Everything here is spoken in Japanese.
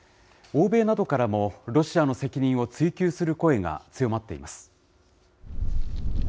欧米などからもロシアの責任を追及する声が強まっています。